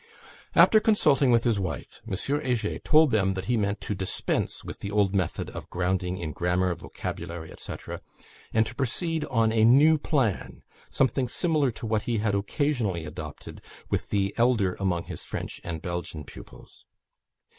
After consulting with his wife, M. Heger told them that he meant to dispense with the old method of grounding in grammar, vocabulary, &c., and to proceed on a new plan something similar to what he had occasionally adopted with the elder among his French and Belgian pupils.